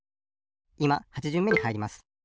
いま８じゅんめにはいります。